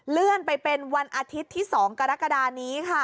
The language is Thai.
เลื่อนไปเป็นวันอาทิตย์ที่๒กรกฎานี้ค่ะ